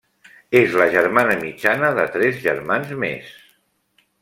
És la germana mitjana de tres germans més.